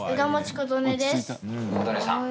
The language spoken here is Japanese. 琴音さん。